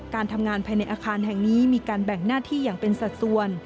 การทำงานภายในอาคารแห่งนี้มีการแบ่งหน้าที่อย่างเป็นสัดส่วน